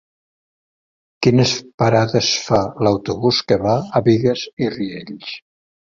Quines parades fa l'autobús que va a Bigues i Riells?